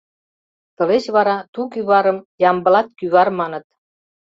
Тылеч вара ту кӱварым «Ямблат кӱвар» маныт.